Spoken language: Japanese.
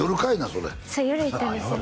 それそう夜行ったんですよ